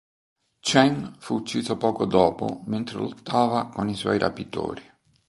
Chen fu ucciso poco dopo mentre lottava con i suoi rapitori.